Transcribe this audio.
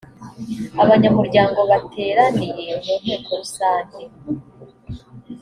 abanyamuryango bateraniye mu nteko rusange